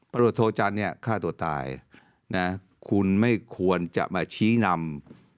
ตรวจโทจันทร์เนี่ยฆ่าตัวตายนะคุณไม่ควรจะมาชี้นำ